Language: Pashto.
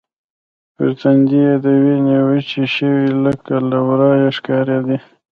پر تندي يې د وینې وچې شوې لکې له ورایه ښکارېدې.